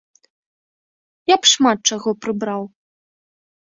Я б шмат чаго прыбраў.